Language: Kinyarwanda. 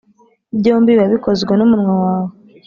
byombi biba bikozwe n’umunwa wawe.